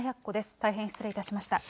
大変失礼いたしました。